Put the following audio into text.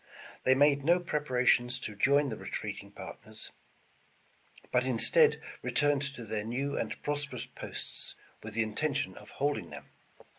They made no preparations to join the retreating partners, but in stead returned to their new and prosperous posts, with the intention of holding them.